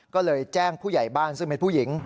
ก็เลยแจ้งผู้ใหญ่บ้านซึ่งเป็นผู้หญิง